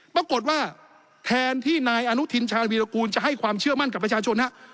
ปรากฏว่าแทนที่นายอนุทินชาญวีรกูลจะให้ความเชื่อมั่นกับประชาชนฮะ